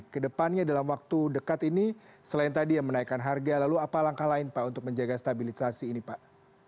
kedepannya dalam waktu dekat ini selain tadi yang menaikkan harga lalu apa langkah lain pak untuk menjaga stabilisasi ini pak